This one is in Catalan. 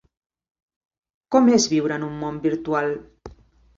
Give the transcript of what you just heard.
Com és viure en un món virtual?